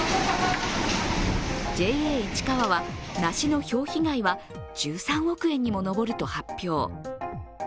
ＪＡいちかわは、梨のひょう被害は１３億円にも上ると発表。